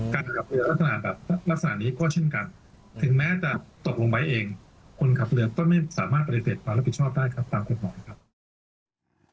ขับเรือลักษณะแบบลักษณะนี้ก็เช่นกันถึงแม้จะตกลงไว้เองคนขับเรือก็ไม่สามารถปฏิเสธความรับผิดชอบได้ครับตามกฎหมายครับ